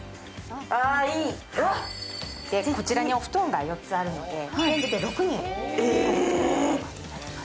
こちらにお布団が４つあるので、全部で６人。